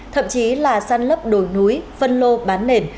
thậm chí là san lấp đồi núi phân lô bán nền